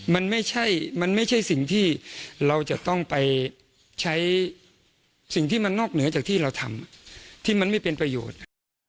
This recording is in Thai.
มันไม่ใช่มันไม่ใช่สิ่งที่เราจะต้องไปใช้สิ่งที่มันนอกเหนือจากที่เราทำที่มันไม่เป็นประโยชน์